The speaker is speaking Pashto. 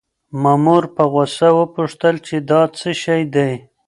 مامور په غوسه وپوښتل چې دا څه شی دی؟